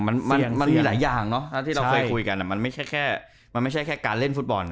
มันมีหลายอย่างเนาะที่เราเคยคุยกันมันไม่ใช่แค่การเล่นฟุตบอล